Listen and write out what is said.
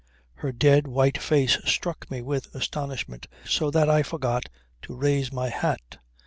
Her dead white face struck me with astonishment, so that I forgot to raise my hat.